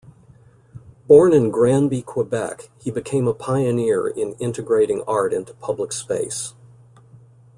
Born in Granby, Quebec, he became a pioneer in integrating art into public space.